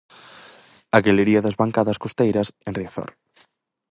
A galería das bancadas costeiras en Riazor.